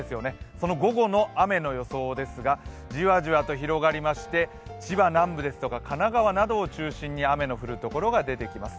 その午後の雨の予想ですが、じわじわと広がりまして、千葉南部ですとか神奈川などを中心に雨が降るところが出てきます。